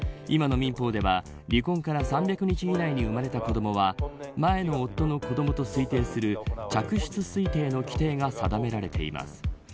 今の民法では離婚から３００日以内に生まれた子どもは前の夫の子どもと推定する嫡出推定の規定が定められています。